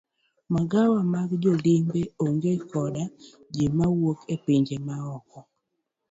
Magawa mag jolimbe onge koda ji mawuok e pinje maoko.